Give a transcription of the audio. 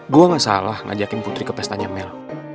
gue gak salah ngajakin putri ke pestanya mel